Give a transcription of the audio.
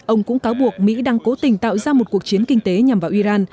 ông cũng cáo buộc mỹ đang cố tình tạo ra một cuộc chiến kinh tế nhằm vào iran